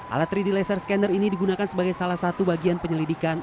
alat tiga d laser scanner ini digunakan sebagai salah satu bagian penyelidikan